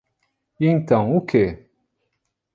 E então, o que?